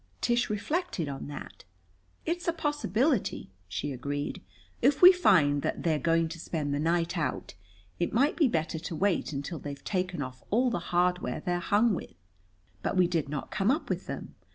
Tish reflected on that. "It's a possibility," she agreed. "If we find that they're going to spend the night out, it might be better to wait until they've taken off all the hardware they're hung with." But we did not come up with them.